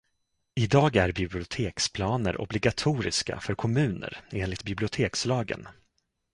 I dag är biblioteksplaner obligatoriska för kommuner enligt bibliotekslagen.